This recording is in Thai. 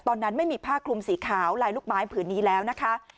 ตอนนั้นไม่มีผ้าคลุมสีขาวลายลูกไม้ผืนนี้แล้วนะคะ